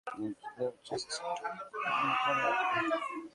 ওরা নিজেদের আপনাদের চেয়ে শ্রেষ্ঠ মনে করে।